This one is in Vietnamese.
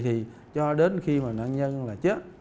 thì cho đến khi mà nạn nhân là chết